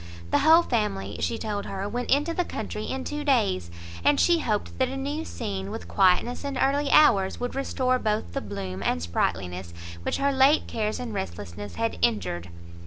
The whole family, she told her, went into the country in two days, and she hoped that a new scene, with quietness and early hours, would restore both the bloom and sprightliness which her late cares and restlessness had injured.